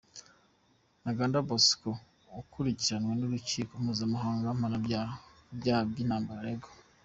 Ntaganda Bosco, ukurikiranywe n’Urukiko Mpuzamahanga mpanabyaha, ku byaha by’intambara aregwa.